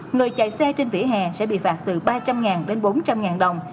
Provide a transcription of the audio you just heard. người chạy xe trên vỉa hè sẽ bị phạt từ ba trăm linh đến bốn trăm linh đồng